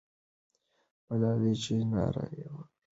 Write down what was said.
ملالۍ چې ناره یې وکړه، پیغله وه.